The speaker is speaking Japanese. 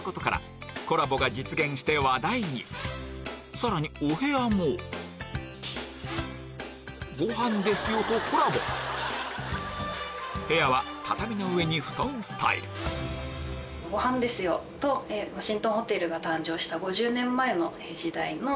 さらにお部屋もごはんですよ！とコラボ部屋は畳の上に布団スタイルごはんですよ！とワシントンホテルが誕生した。